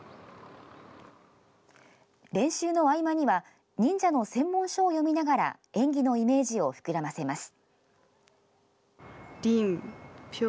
練習の合間には、忍者の専門書を読みながら、演技のイメージを膨らませます。